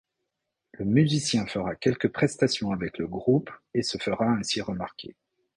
Le musicien fera quelques prestations avec le groupe et se fera ainsi remarquer.